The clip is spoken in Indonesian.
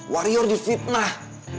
wario udah di fitnah